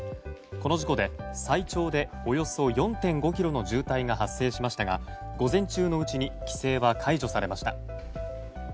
この事故で最長でおよそ４．５ｋｍの渋滞が発生しましたが午前中のうちに規制は解除されました。